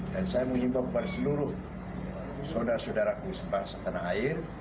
dan saya mengimbau kepada seluruh saudara saudaraku sempat setanah air